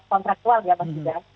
kontraktual ya maksudnya